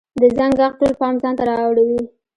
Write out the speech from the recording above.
د زنګ ږغ ټول پام ځانته را اړوي.